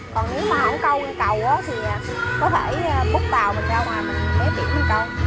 còn nếu mà không câu cầu thì có thể bút tàu mình ra ngoài mình ghé biển đi cầu